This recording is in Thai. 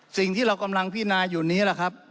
สิ่งที่เรากำลังพินาอยู่นี้